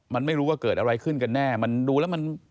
มันไม่รู้ว่าเกิดอะไรขึ้นกันแน่มันดูแล้วมัน